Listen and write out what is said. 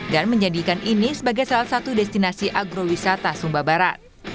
dan menjadikan ini sebagai salah satu destinasi agrowisata